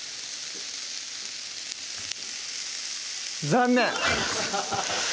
残念！